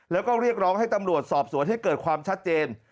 แล้วก็เรียกร้องให้ตำรวจสอบสวนให้เกิดความชัดเจน